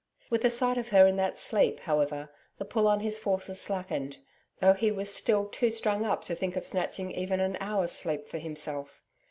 With the sight of her in that sleep, however, the pull on his forces slackened, though he was still too strung up to think of snatching even an hour's sleep for himself.